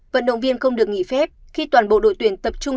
vận động viên không được nghỉ phép khi toàn bộ đội tuyển tập trung